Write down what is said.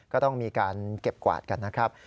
ก็ต้องมีการเก็บกวาดกันนะครับ